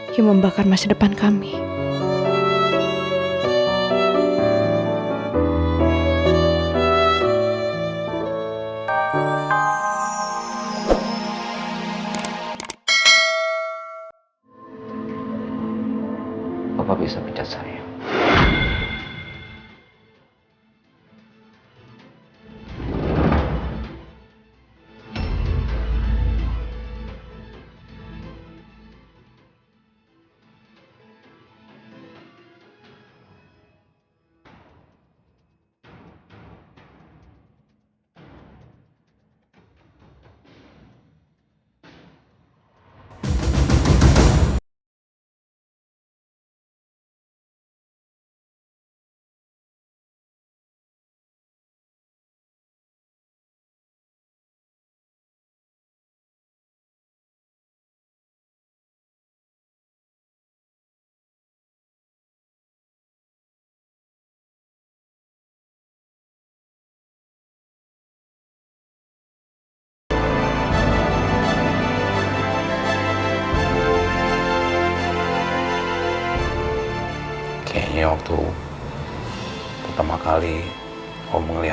yang membakar masa depan kami